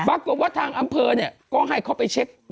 ปรากฏว่าทางอำเภอก็ให้เขาไปเช็ค